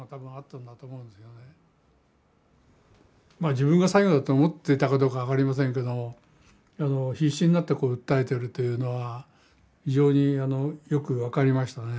自分が最後だと思っていたかどうか分かりませんけども必死になって訴えてるというのは非常によく分かりましたね。